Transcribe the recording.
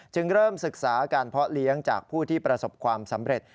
จึงเริ่มศึกษาการเพาะเลี้ยงจากผู้ที่ประสบความสำเร็จ